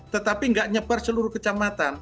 tetapi tidak nyebar seluruh kecamatan